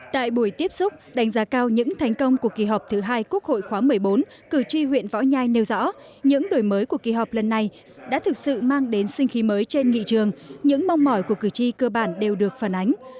tại buổi tiếp xúc đánh giá cao những thành công của kỳ họp thứ hai quốc hội khóa một mươi bốn cử tri huyện võ nhai nêu rõ những đổi mới của kỳ họp lần này đã thực sự mang đến sinh khí mới trên nghị trường những mong mỏi của cử tri cơ bản đều được phản ánh